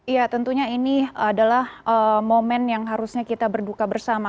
ya tentunya ini adalah momen yang harusnya kita berduka bersama